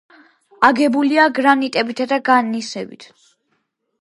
აგებულია გრანიტებითა და გნაისებით.